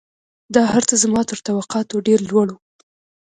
دا هرڅه زما تر توقعاتو ډېر لوړ وو